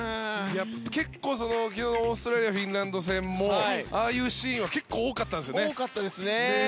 結構、オーストラリア対フィンランド戦もああいうシーンは結構多かったんですよね。